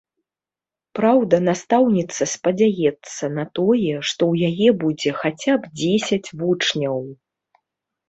Праўда, настаўніца спадзяецца на тое, што ў яе будзе хаця б дзесяць вучняў.